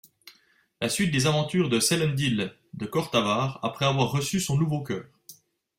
La suite des aventures de Cellendhyll de Cortavar après avoir reçu son nouveau cœur.